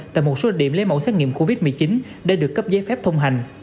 tại một số điểm lấy mẫu xét nghiệm covid một mươi chín để được cấp giấy phép thông hành